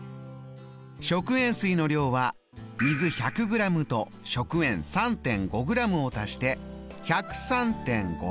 食塩水の量は水１００ｇと食塩３．５ｇを足して１０３．５ｇ。